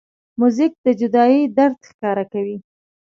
موزیک د جدایۍ درد ښکاره کوي.